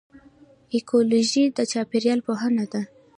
ایکیولوژي د چاپیریال پوهنه ده